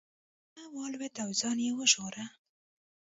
کارغه والوت او ځان یې وژغوره.